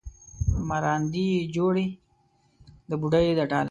مراندې یې جوړې د بوډۍ د ټاله